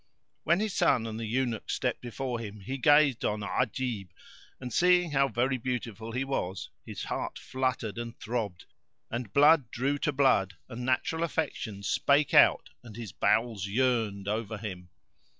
When his son and the Eunuch stepped before him he gazed on Ajib and, seeing how very beautiful he was, his heart fluttered and throbbed, and blood drew to blood and natural affection spake out and his bowels yearned over him.